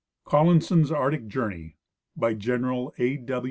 COLLINSON'S ARCTIC JOURNEY BY General A.